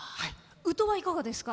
宇土はいかがですか？